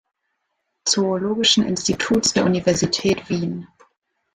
Zoologischen Instituts der Universität Wien.